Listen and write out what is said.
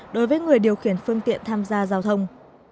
đối với người điều khiển phương tiện tham gia giao thông